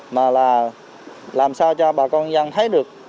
mà là làm sao cho bà con dân thấy được